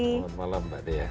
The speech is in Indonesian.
selamat malam mbak dea